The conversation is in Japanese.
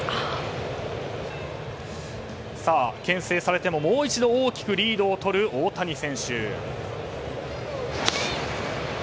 牽制されても、もう一度大きくリードをとる大谷選手。